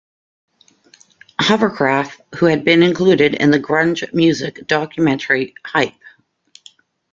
Hovercraft, who had been included in the grunge music documentary Hype!